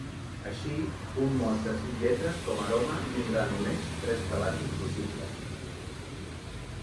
Així, un mot de cinc lletres com “aroma” tindrà només tres calaixos possibles.